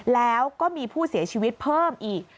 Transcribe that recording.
แล้วก็มีผู้เสียชีวิตเพิ่มอีก